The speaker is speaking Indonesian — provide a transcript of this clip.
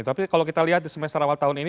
tapi kalau kita lihat di semester awal tahun ini